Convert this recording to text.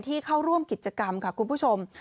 เข้าร่วมกิจกรรมค่ะคุณผู้ชม